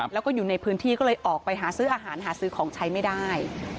แล้วก็อยู่ในพื้นที่ก็เลยออกไปหาซื้ออาหารหาซื้อของใช้ไม่ได้